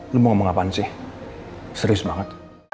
lu mau ngomong apaan sih serius banget